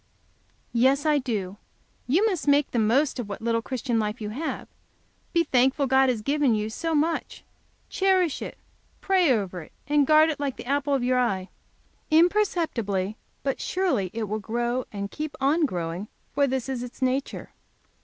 "Yes, I do. You must make the most of what little Christian life you have; be thankful God has given you so much, cherish it, pray over it, and guard it like the apple of your eye. Imperceptibly, but surely, it will grow, and keep on growing, for this is its nature."